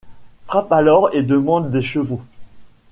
Frappe alors, et demande des chevaux.